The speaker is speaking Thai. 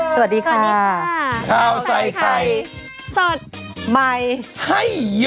สวัสดีค่ะสวัสดีค่ะข้าวใส่ไข่สดใหม่ให้เยอะอ้าว